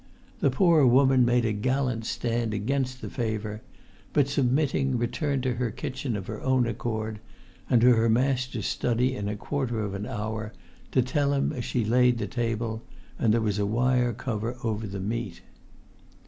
The poor woman made a gallant stand against the favour, but, submitting, returned to her kitchen of her own accord, and to her master's study in a quarter of an hour, to tell him she had laid the table, and there was a wire cover over the meat.